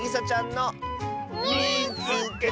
「みいつけた！」。